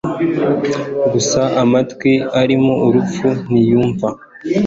gusa amatwi arimo urupfu ntiyumva!